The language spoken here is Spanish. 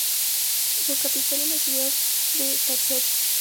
Su capital es la ciudad de Tachov.